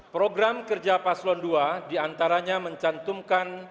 program kerja paslon dua diantaranya mencantumkan